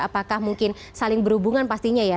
apakah mungkin saling berhubungan pastinya ya